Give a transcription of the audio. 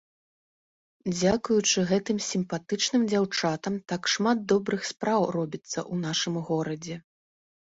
Дзякуючы гэтым сімпатычным дзяўчатам так шмат добрых спраў робіцца ў нашым горадзе.